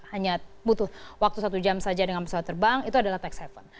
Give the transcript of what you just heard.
hanya butuh waktu satu jam saja dengan pesawat terbang itu adalah tax haven